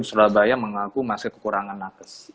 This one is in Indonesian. surabaya mengaku masih kekurangan nakes